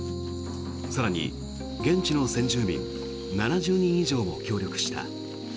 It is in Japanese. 更に、現地の先住民７０人以上も協力した。